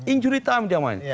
injury time dia main